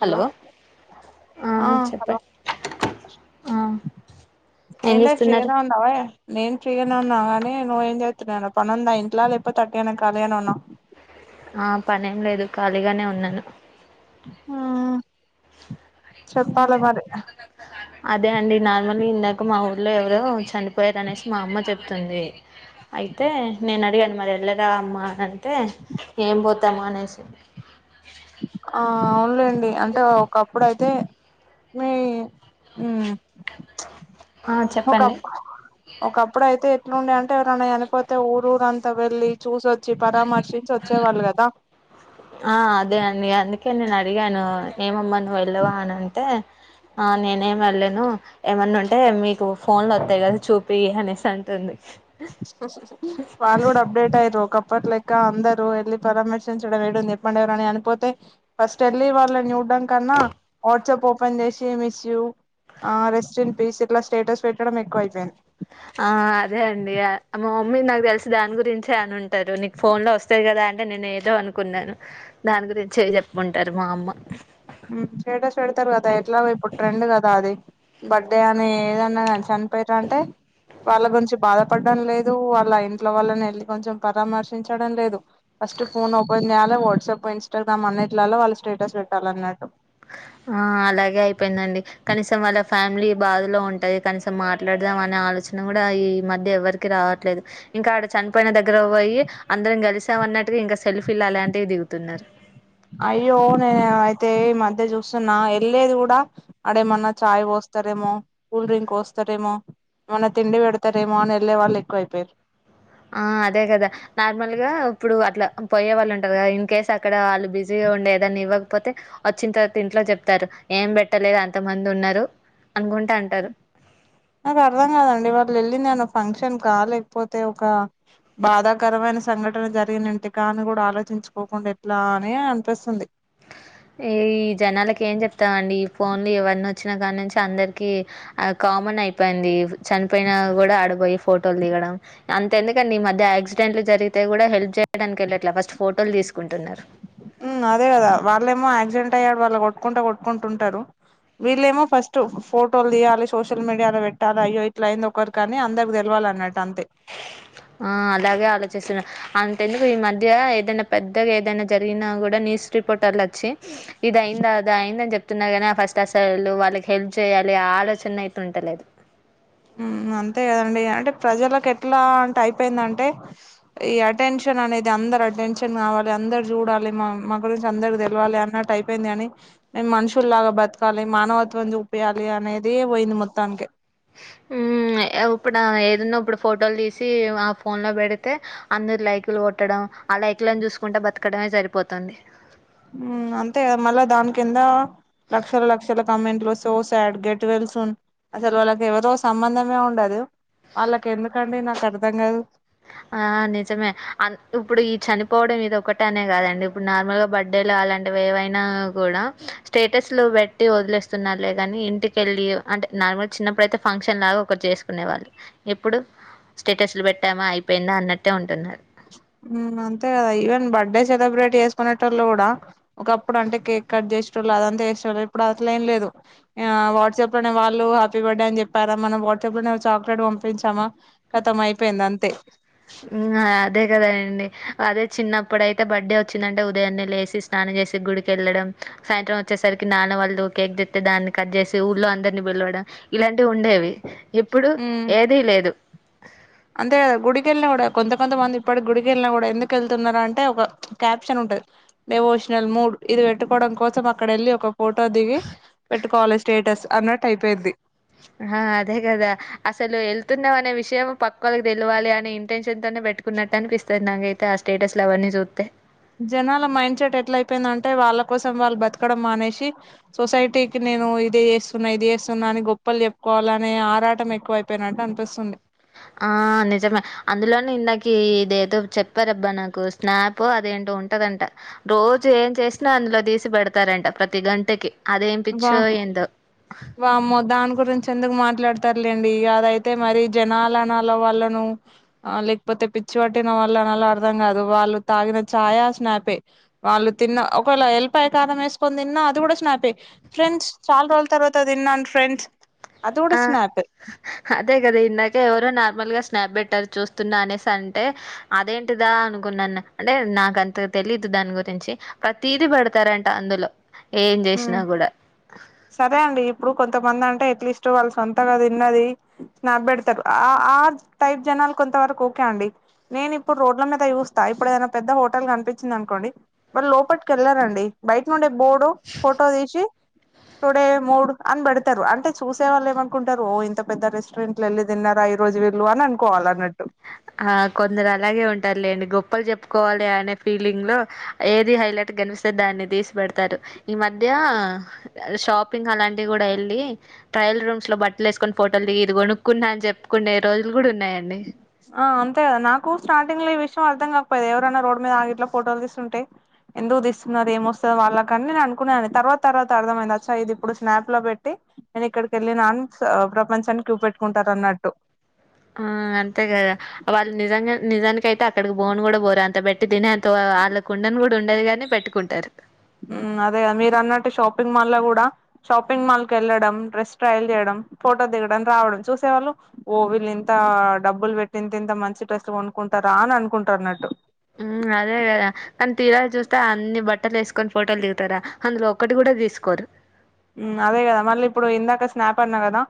Hello ఆ చెప్పండి ఆ ఏం ఏందే ఫ్రీ చేస్తున్నారు గానే ఉండావ? నేను ఫ్రీ గానే ఉన్నా గానీ నువ్వేం చేత్తున్నా [inaudible] పనుందా ఇంట్లో లేకపో తగ్గేను ఖాళీ అని ఉన్నా ఆ పనేం లేదు ఖాళీగానే ఉన్నాను ఊ చెప్పాల మరి అదే అండి నార్మల్ గా ఇందాక మా ఊర్లో ఎవరో చనిపోయారు అనేసి మా అమ్మ చెప్తుంది అయితే నేను అడిగాను మరి ఎళ్ళరా అమ్మా అని అంటే ఏం పోతాము అనేసి ఆ అవునులేండి అంటే ఒకప్పుడుతే మీ ఉమ్ ఆ చెప్పండి ఒకప్పు ఒకప్పుడు అయితే ఎట్లుండే అంటే ఎవరైనా చనిపోతే ఊరు ఊరు అంతా వెళ్ళి చూసో చ్చి పరామర్శించి వచ్చేవాళ్ళు కదా ఆ అదేనండి అందుకే నేను అడిగాను ఏమమ్మా ను నువ్వెళ్ళవా అని అంటే ఆ నేనేం వెళ్ళను ఏమన్నా ఉంటే మీకు ఫోన్ లోత్తాయి కదా చూపి అనేసి అంటుంది ఓహ వాళ్ళు కూడా అప్డేట్ అయ్యారు ఒకప్పటి లెక్క అందరూ ఎళ్లి పరామర్శించడం ఏడుంది చెప్పండి ఎవరన్నా చనిపోతే ఫస్ట్ ఎల్లి వాళ్ళని చూడ్డం కన్నా ఓడ్ ట్సప్ ఓపెన్ చేసి మిస్ యూ ఆ రెస్ట్ ఇన్ పీస్ ఇట్లా స్టేటస్ పెట్టడం ఎక్కువ అయిపోయింది ఆ అదే అండి మా మమ్మీ నాకు తెలిసి దాని గురించే అనున్ టారు నీకు ఫోన్ లో వస్తాయి కదా అంటే నేను ఏదో అను కున్నాను దాని గురించి చెప్పుంటారు మా అమ్మ ఉమ్‌ స్టేటస్ పెడతారు కదా ఎట్లాగో ఇప్పుడు ట్రెండ్ కదా అది బర్డే అని ఏదన్నా గానీ చనిపోయిర్రంటే వాళ్ళ గురించి బాధపడ్డం లేదు వాళ్ళ ఇంట్లో వాళ్ళని ఎళ్ళి కొంచెం పరామర్శించడం లేదు ఫస్ట్ ఫోన్ ఓపెన్ చేయాలి వాట్సాప్ ఇన్స్టాగ్రామ్ అన్నిటిలల్లో వాళ్ళు స్టేటస్ పెట్టాలన్నట్టు ఆ అలాగే అయిపోయిందండి కనీసం వాళ్ళ ఫ్యామిలీ బాధలో ఉంటది కనీసం మాట్లాడదాం అనే ఆలోచన కూడా ఈ మధ్య ఎవరి కి రావట్లేదు ఇంకా ఆడ చనిపోయిన దగ్గరకు పోయి అందరం గలిసాం అన్నట్టుగా ఇంకా సెల్ఫీలు అలాంటివి దిగుతున్నారు అయ్యో నేను అయితే ఈ మధ్య చూస్తున్నా ఎళ్ళేది గూడా అడేమన్నా చాయ్ పోస్తరేమో కూల్ డ్రింక్ పోస్తరేమో మన్నా తిండి పెడతారేమో అని ఎళ్ళే వాళు ఎక్కువ అయిపోయిర్రు ఆ అదే గదా నార్మల్గా ఇప్పుడు అట్లా పొయ్యే వాళ్ళు ఉంటారు కదా ఇన్ కేస్ అక్కడ వాళ్ళు బిజీగా ఉండే ఏదన్నా ఇవ్వకపోతే వచ్చిన తర్వాత ఇంట్లో చెప్తారు ఏం పెట్టలేదు అంత మంది ఉన్నారు అనుకుంటా అంటారు నాకు అర్థం కాదండి వాళ్ళు ఎళ్ళింది ఏమన్నా ఫంక్షన్ కా లేకపోతే ఒక బాధాకరమైన సంఘటన జరిగిన ఇంటికా అని కూడా ఆలోచించుకోకుండా ఎట్లా అని అన్పిస్తుంది ఏ ఈ జనాలకి ఏం చెప్తామండి ఈ ఫోన్లు ఇవన్నీ వచ్చిన కాని నుంచి అందరికీ ఆ కామన్ అయిపోయింది చనిపోయినా కూడా ఆడపోయి ఫోటోలు దిగడం అంత ఎందుకండి ఈ మధ్య యాక్సిడెంట్లు జరిగితే కూడా హెల్ప్ చెయ్యడానికి ఎళ్ళట్లా ఫస్ట్ ఫోటోలు తీసుకుంటున్నారు ఉమ్ అదే కదా వాళ్ళేమో యాక్సిడెంట్ అయ్యి ఆడ వాళ్ళు కొట్టుకుంటా కొట్టుకుంటుంటారు వీళ్ళేమో ఫస్టు ఫోటోలు తీయాలి సోషల్ మీడియాలో పెట్టాలి అయ్యో ఇట్లా అయ్యింది ఒకరికి అని అందరికీ తెలవాలన్నటు అంతే ఆ అలాగే ఆలోచిస్తునా అంతెందుకు ఈ మధ్య ఏదైనా పెద్దగా ఏదైనా జరిగినా కూడా న్యూస్ రిపోర్టర్లు అచ్చి ఇది అయిందా అది అయిందని చెప్ తున్నా కానీ ఆ ఫస్ట్ అసలు వాళ్ళకి హెల్ చెయ్యాలి ఆలోచన అయితే ఉంటలేదు ఉమ్ అంతే గదండి అంటే ప్రజలకు ఎట్లా అంటే అయిపోయిందంటే ఈ అటెన్షన్ అనేది అందరు అటెన్షన్ గావాలి అందరు జూడాలి మా మా గురించి అందరు దెలవాలి అన్న టైప్ అయిపోయింది గాని మేము మనుషుల్లాగా బతకాలి మానవత్వం జూపియాలి అనేది పోయింది మోత్తానికే ఉమ్ ఇప్పుడు ఏదన్నా ఇప్పుడు ఫోటోలు తీసి ఆ ఫోన్ లో బెడితే అందరు లైకులు కొట్టడం ఆ లైకులను జూసుకుంటే బతకడమే సరిపోతుంది ఉమ్ అంతేగా మళ్ళా దాని కింద లక్షల లక్షల కామెంట్లు వస్తే oh sad get well soon అసలు వాళ్ళకి ఎవరో సంబంధమే ఉండదు వాళ్ళకి ఎందుకండి నాకు అర్థం గాదు ఆ నిజమే అ ఇప్పుడు ఈ చనిపోవడం ఇదొకటే అనే గాదండి ఇప్పుడు నార్మల్ గా బ ర్డేలో అలాంటివి ఏవైనా గూడా స్టేటస్లు బెట్టి వదిలేస్తున్నారులే గానీ ఇంటికెళ్ళి అంటే నార్మల్ చిన్నప్పుడు అయితే ఫంక్షన్ లాగా ఒకటి చేసుకునే వాళ్ళు ఎప్పుడు స్టేటస్లు పెట్టామా అయిపోయిందా అన్నట్టే ఉంటున్నారు ఉమ్ అంతే గదా ఈవెన్ బర్త్డే సెలబ్రేట్ చేసుకునేటోళ్ళు గూడా ఒకప్పుడు అంటే కేక్ కట్ చేసేటోళ్ళు అదంతా చేసే వాళ్ళు ఇప్పుడు అట్ల ఏం లేదు ఆ వాట్సాప్ లోనే వాళ్ళు హ్యాపీ బర్త్డే అని చెప్పారా మనం వాట్సాప్ లోనే చాక్లెట్ పంపించామా ఖతం అయిపోయింది అంతే ఉమ్ అదే గద అండి అదే చిన్నప్పుడైతే బర్త్డే వచ్చిందంటే ఉదయాన్నే లేసి స్నానం చేసి గుడికి యెళ్ళడం సాయంత్రం వచ్చేసరికి నాన్న వాళ్ళు కేక్ తెత్తే దాన్ని కట్ జేసి ఊళ్ళో అందరినీ పిలవడం ఇలాంటివి ఉండేవి ఇప్పుడు ఉమ్ ఏదీ లేదు అంతే గుడికెళ్ళిన గూడా కొంత కొంతమంది ఇప్పటి గుడికెళ్ళా గూడా ఎందుకు యెళ్తున్నారు అంటే ఒక క్యాప్షన్ ఉంటది డెవోషనల్ మూడ్ ఇది పెట్టుకోవడం కోసం అక్కడ యెళ్ళి ఒక ఫోటో దిగి పెట్టుకోవాలి స్టేటస్ అన్నట్టు అయిపోయింది ఆ అదే గదా అసలు యెళ్తున్నాం అనే విషయం పక్కోళ్ళకి దెలువాలి అని ఇంటెన్షన్ తోనే పెట్టుకు న్నట్టు అనిపిస్తది నాకైతే ఆ స్టేటస్లు అవన్నీ జూత్తే జనాల మైండ్ సెట్ ఎట్ల అయిపోయిందంటే వాళ్ళ కోసం వాళ్ళు బతకడం మానేసి సొసైటీకి నేను ఇది చేస్తున్నా ఇది చేస్తున్నా అని గొప్పలు చెప్పుకోవాలనే ఆరాటం ఎక్కువై పోయినట్టు అనిపిస్తుంది ఆ నిజమే అందులోనే ఇందకి ఇదేదో చెప్పారబ్బా నాకు స్నాప్ అదేంటో ఉంటదంట రోజు ఏం చేసినా అందులో తీసి పెడతారంట ప్రతి గంటకి అదేం వా పిచ్చో ఏందో వామ్మో దాని గురించి ఎందుకు మాట్లాడతారులేండి అదైతే మరి జనాలనాలో వాళ్ళను ఆ లేకపోతే పిచ్చి పట్టిన వాళ్ళు అనాలో అర్థం కాదు వాళ్ళు తాగిన చాయా స్నాపే వాళ్ళు తిన్న ఒకవేళ యెల్పాయ్ కారం యేసుకొని దిన్నా అది గూడా స్నాపే ఫ్రెండ్స్ చాలా రోజులు తర్వాత దిన్నాన్ ఫ్రెండ్స్ అది ఆ కూడా స్నాపే అదే గదా ఇందాకే ఎవరో నార్మల్ గా స్నాప్ బెట్టార్ చూస్తున్నా అనేసి అంటే అదేంటిదా అనుకున్నాను అంటే నాకు అంత తెలీదు దాని గురించి ప్రతిదీ పెడతారంట అందులో ఏం జేసినా మ్మ్ గూడా సరే అండి ఇప్పుడు కొంతమంది అంటే అట్లీస్ట్ వాళ్ళు సొంతగా దిన్నది స్నాప్ బెడతారు ఆ ఆ టైప్ జనాలు కొంత వరకు ఓకే అండి నేను ఇప్పుడు రోడ్ల మీద చూస్తా ఇప్పుడు ఏదైనా పెద్ద హోటల్ కనిపించింది అనుకోండి వాళ్ళు లోపటికి యెళ్ళరండి బయట నుండే బోర్డు ఫొటో దీసి టుడే మూడ్ అని బెడతరు అంటే చూసే వాళ్ళు ఏమనుకుంటారు ఓ ఇంత పెద్ద రెస్టారెంట్ యెళ్ళి తిన్నరా ఈ రోజు వీళ్ళు అని అనుకోవాల అన్నట్టు ఆ కొందరు అలాగే ఉంటారు లేండి గొప్పలు చెప్పుకోవాలి అనే ఫీలింగ్ లో ఏది హైలైట్ కనిపిస్తే దాన్ని తీసి పెడతారు, ఈ మధ్య షాపింగ్ అలాంటివి కూడా ఎళ్ళి ట్రయల్ రూమ్స్ లో బట్టలు ఏసుకొని ఫోటోలు దిగి ఇది కొనుకున్నా అని చెప్పుకునే రోజులు కూడ ఉన్నాయండి. ఆ అంతే కదా నాకు స్టార్టింగ్ లో ఈ విషయం అర్థం కాకపోయేది ఎవరైనా రోడ్ మీద ఆగి ఇట్లా ఫోటోలు తీస్తుంటే ఎందుకు తీస్తున్నారు ఏమొస్తది వాళ్ళకు అని నేను అనుకునేదాన్ని తర్వాత తర్వాత అర్థమైంది అచ్చ ఇప్పుడు స్నాప్ లో పెట్టి నేను ఇక్కడి కెళ్ళినా అని ప్రపంచానికి చూపెట్టుకుంటరు అన్నట్టు. ఆ అంతే కదా. వాళ్ళు నిజంగా నిజానికయితే అక్కడికి బోన్ కూడా పోరు, అంత పెట్టి తినే అంత వాళ్ళకు ఉండను కూడా ఉండదు కాని పెట్ ట్టుకుంటరు. అదే మీరు అన్నట్టు షాపింగ్ మాల్లో కూడా షాపింగ్ మాల్ కి ఎళ్ళడం, డ్రెస్ ట్రైల్ చేయడం, ఫోటో దిగడం, రావడం చూసేవాళ్ళు ఓ వీల్లు ఇంతా డబ్బులు పెట్టి ఇంత ఇంత మంచి డ్రెస్లు కొనుక్కుంటారా అని అనుకుంటరన్నట్టు. హ్ అదే కదా కానీ తీరా చూస్తే అన్ని బట్టలు ఎసుకొని ఫోటోలు దిగుతరా అందులో ఒకటి కూడా తీసుకోరు. అదే కదా మళ్ళీ ఇప్పుడు ఇందాక స్నాప్ అన్న కదా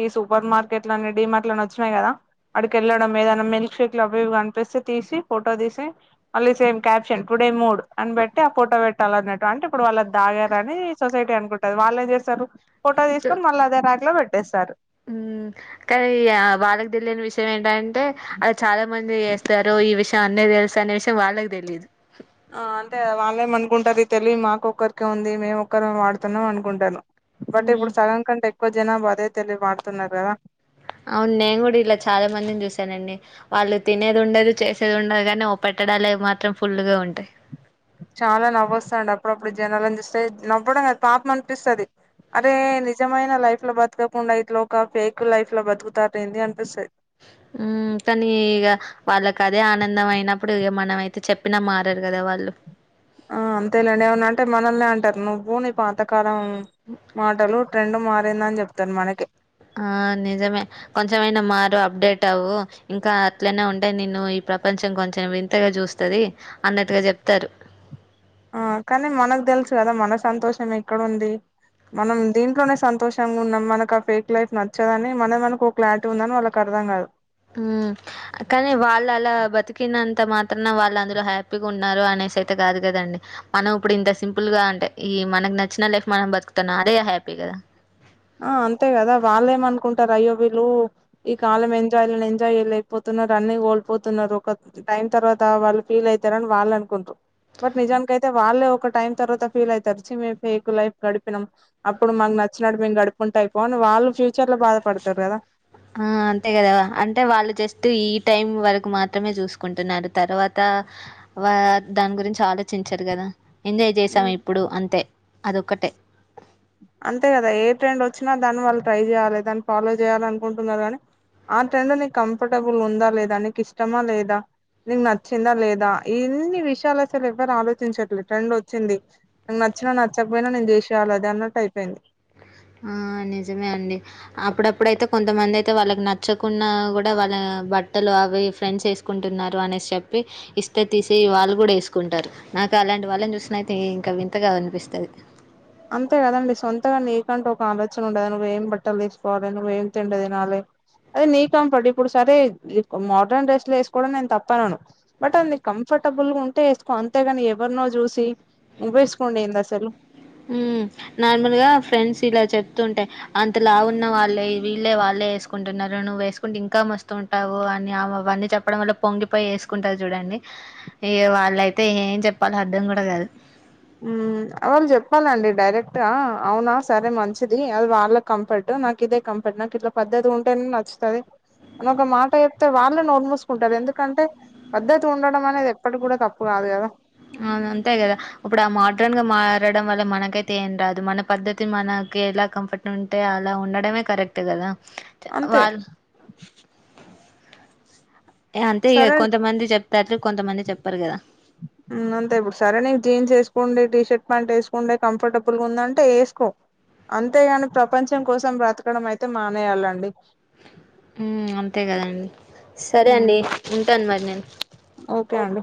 ఈ సూపర్ మార్కెట్లని డిమార్ట్లని వచ్చినయి కదా. ఆడికి ఎళ్ళడం ఏదన్నా మిల్క్ షేక్లు అవి ఇవి కనిపిస్తే తీసి ఫోటో తీసి మళ్ళీ సేమ్ క్యాప్షన్ టుడే మూడ్. అని పెట్టి ఆ ఫోటో పెట్టాలన్నట్టు అంటే ఇప్పుడు వాళ్ళు అది తాగారని సొసైటీ అనుకుంటది. వాళ్ళు ఏం చేస్తారు ఫోటో తీసుకొని మళ్ళీ అదే ర్యాక్ లో పెట్టేస్తారు. ఉ కానీ వాళ్ళకు తెలియని విషయం ఏంటంటే అది చాలా మంది చేస్తరు, ఈ విషయం అందరికి తెలుసు అనే విషయం వాళ్ళకి తెలీదు. ఆ అంతేగా వాళ్ళేమనుకుంటరు ఈ తెలివి మాకొక్కరికే ఉంది, మేము ఒక్కరమే వాడుతున్నాం అనుకుంటరు. బట్ ఉమ్ ఇప్పుడు సగం కంటే ఎక్కువ జనాభా అదే తెలివి వాడుతున్నారు కదా. అవును నేను కూడా ఇలా చాలా మందిని చూసానండి. వాళ్ళు తినేది ఉండదు, చేసేది ఉండదు కానీ ఒ పెట్టడాలు అయి మాత్రం ఫుల్లుగా ఉంటయి. చాలా నవ్వొస్తదండి అప్పుడప్పుడు జనాలని చూస్తే నవ్వడం కాదు పాపం అనిపిస్తది. అరే నిజమైన లైఫ్ లో బతకకుండా ఇట్లా ఒక ఫేక్ లైఫ్ లో బతుకుతారేంది అనిపిస్తది. హ్ కనీ ఇగ వాళ్ళకి అదే ఆనందం అయినప్పుడు ఇగ మనము అయితే చెప్పినా మారరు కదా వాళ్ళు. ఆ అంతేలేండి ఏమన్నా అంటే మనల్నే అంటరు నువ్వు నీ పాతకాలం మాటలు ట్రెండ్ మారిందని చెప్తరు మనకే. ఆ నిజమే. కొంచమైనా మారు అప్డేట్ అవ్వు ఇంకా అట్లనే ఉంటే నిన్ను ఈ ప్రపంచం కొంచెం వింతగా చూస్ స్తది అన్నట్టుగా చెప్తరు. ఆ కానీ మనకు తెలుసు కదా మన సంతోషం ఎక్కడ ఉంది. మనం దీంట్లోనే సంతోషంగా ఉన్నం, మనకు ఆ ఫేక్ లైఫ్ నచ్చదని మనం మనకో క్లారిటీ ఉందని వాళ్ళకు అర్థంకాదు. హ్ కానీ వాళ్ళు అలా బతికినంత మాత్రానా వాళ్ళు అందరూ హ్యాపీగా ఉన్నారు అనేసి అయితే కాదు కదండి. మనం ఇప్పుడు ఇంత సింపుల్ గా అంటే ఈ మనకి నచ్చిన లైఫ్ మనం బతుకుతున్నాం అదే హ్యాపీ కదా. ఆ అంతే కదా వాళ్ళేమనుకుంటరు అయ్యో వీళ్ళు ఈ కాలం ఎంజాయ్లని ఎంజాయ్ చేయలేకపోతున్నరు, అన్ని కోల్పోతున్నరు ఒక టైం తర్వాత వాళ్ళు ఫీల్ అయితరని వాళ్ళు అనుకుంట్రు. బట్ నిజానికయితే వాళ్ళే ఒక టైం తర్వాత ఫీల్ అయితరు చి మేం ఫేక్ లైఫ్ గడిపినం అప్పుడు మాక్ నచ్చినట్టు మేమ్ గడుప్ కుంటే అయిపోని వాళ్ళు ఫ్యూచర్ లో బాధపడతార్ కదా ఆ అంతే కదా అంటే వాళ్ళు జస్ట్ ఈ టైం వరకు మాత్రమే చూస్ కుంటున్నారు తర్వాత వార్ దాన్ గురించలోచించర్ గదా ఎంజాయ్ చేశాం ఇప్పుడు అంతే అదొక్కటే అంతే కదా ఏ ట్రెండ్ వచ్చినా దాన్ని వాళ్ళు ట్రై చేయాలే దాన్ని ఫాలో చేయాలనుకుంటున్నారు కానీ ఆ ట్రెండ్ నీక్ కంఫర్టబుల్ ఉందా లేదా నీకిష్టమా లేదా నీక్ నచ్చిందా లేదా ఇన్ని విషయాలైతే వీళ్ళేవ్వర్ రాలోచించట్లే ట్రెండ్ వచ్చింది నచ్చిన నచ్చక్ పోయినా నేన్ చేసేయాలది అన్నట్టైపోయింది ఆ నిజమే అండి అప్పుడప్పుడయితే కొంతమందయితే వాళ్ళక్ నచ్చకున్న కూడా వాళ్ళ బట్టలు అవి ఫ్రెండ్స్ వేస్ కుంటున్నారు అనేస్ చెప్పి ఇస్తే తీసి వాళ్ళు కూడా ఏస్ కుంటారు నాకలాంటి వాళ్ళన్ చూసినయితే ఇంకా వింతగా అనిపిస్తది అంతే కదండి సొంతగా నీకంటూ ఒక ఆలోచనుండదా నువ్వు ఏం బట్టల్ వే స్ కోవాలే నువ్వు ఏం తిండి తినాలే అది నీ కంఫర్ట్ ఇప్పుడు సరే మోడ్రన్ డ్రెస్లు వేస్ కోడం నేన్ తప్పనను బట్ అది నిక్ కంఫర్టబుల్ గుంటే ఏస్కో అంతేగాని ఎవర్ నో చూసి నువ్వేస్కోనుడెందసలు హ్మ్ నార్మల్ గా ఫ్రెండ్స్ ఇలా చెప్తుంటాయి అంత లాఉన్న వాళ్ళే వీళ్ళే వాళ్ళే ఏస్కుంటున్నారు నువ్వేస్కుంటే ఇంకా మస్తుం టావు అని అవ్ అవన్నీ చెప్పడం వల్ల పొంగిపోయేస్కుంటారు చూడండి ఇగ వాళ్ళయితే ఏం చెప్పలో అర్ధం కూడా కాదు హ్మ్ వాళ్ళు చెప్పాలండి డైరెక్ట్గా అవునా సరే మంచిది అది వాళ్ళ కంఫర్ట్ నాకిదే కంఫర్ట్ నాకిట్లా పద్ధతి గుంటేనే నచ్చుతది అనొక మాట చెప్తే వాల్లే నోర్ మూస్కుంటారు ఎందుకంటే పద్ధతుండడం అనేదేప్పటి కూడా తప్పు కాదు కదా అవు నంతే కదా ఇప్పుడు ఆ మాడ్రన్గా మారడం వల్ల మనకే తేన్ రాదు మన పద్ధతి మనకి ఎలా కంఫర్ట్ ఉంటే అలా ఉండడమే కరెక్ట్ కదా అంతే వాళ్ ఏ అంతే ఇగ సరే కొంతమంది చెప్తారు కొంతమంది చెప్పారు గదా హ్మ్ అంతే ఇప్పుడు సరే నీక్ జీన్స్ ఏస్కోండి టీ షర్ట్ పాంట్ వేస్కుంటే కంఫర్టబుల్ గా ఉందంటే ఏస్కో అంతేగాని ప్రపంచం కోసం బ్రతకడం అయితే మానేయాలండి హ్మ్ అంతే కదండి సరే మ్మ్ అండి ఉంటాన్ మరి నేన్ ఓకే అండి